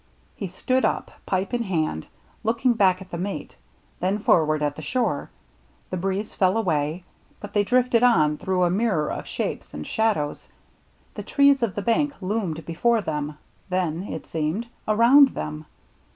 He stood up, pipe in hand, looking back at the mate, then forward at the shore. The breeze fell away, but they drifted on through a mirror of shapes and shadows. The trees of the bank loomed before them, then, it seemed, around them.